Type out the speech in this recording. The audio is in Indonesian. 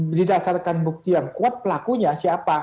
berdasarkan bukti yang kuat pelakunya siapa